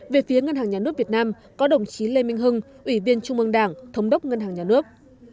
về phía ngân hàng nhà nước việt nam có đồng chí lê minh hưng ủy viên trung ương đảng thống đốc ngân hàng nhà nước